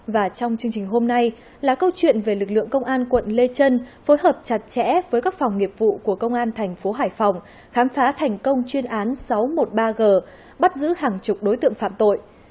và trong chương trình hôm nay là câu chuyện về lực lượng công an quận lê trân phối hợp chặt chẽ với các phòng nghiệp vụ của công an thành phố hải phòng khám phá thành công chuyên án sáu trăm một mươi ba g bắt giữ hàng chục đối tượng phạm tội